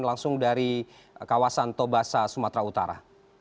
langsung dari kawasan tobasa sumatera utara